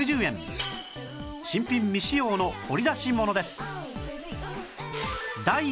新品未使用の掘り出し物です